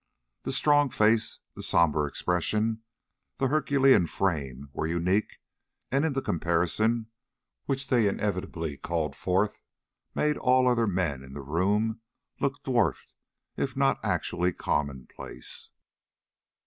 The strong face, the sombre expression, the herculean frame, were unique, and in the comparison which they inevitably called forth, made all other men in the room look dwarfed if not actually commonplace.